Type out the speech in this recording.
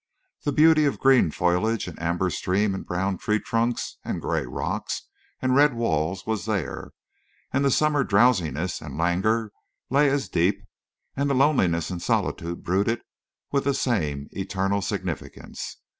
The beauty of green foliage and amber stream and brown tree trunks and gray rocks and red walls was there; and the summer drowsiness and languor lay as deep; and the loneliness and solitude brooded with its same eternal significance.